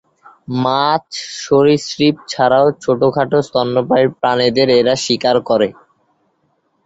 মাছ সরীসৃপ ছাড়াও ছোটখাটো স্তন্যপায়ী প্রাণীদের এরা শিকার করে।